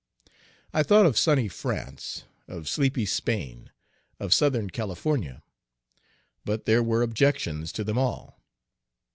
I thought of sunny France, of sleepy Spain, of Southern California, but there were objections to them all.